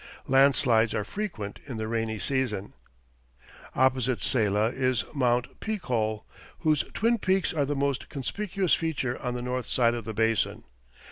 Landslides are frequent in the rainy season. Opposite Saylla is Mt. Picol, whose twin peaks are the most conspicuous feature on the north side of the basin.